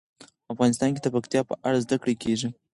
افغانستان کې د پکتیا په اړه زده کړه کېږي.